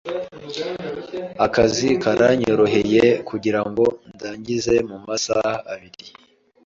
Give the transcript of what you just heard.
Akazi karanyoroheye kugirango ndangize mumasaha abiri.